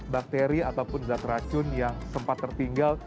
bakteri ataupun zat racun yang sempat tertinggal